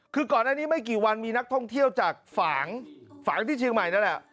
คือก่อนอันนี้ไม่กี่วันมีนักท่องเที่ยวจากฝางฝางที่เชียงใหม่นั่นแหละ